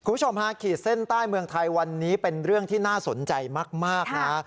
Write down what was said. คุณผู้ชมฮะขีดเส้นใต้เมืองไทยวันนี้เป็นเรื่องที่น่าสนใจมากนะ